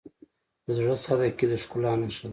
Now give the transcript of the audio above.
د زړه سادگی د ښکلا نښه ده.